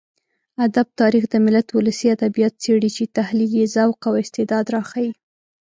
ادب تاريخ د ملت ولسي ادبيات څېړي چې تحليل يې ذوق او استعداد راښيي.